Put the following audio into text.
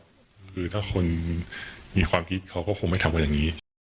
คือถ้าคนมีความคิดเขาก็คงไม่ทำกันอย่างนี้